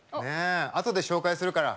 後で紹介するから。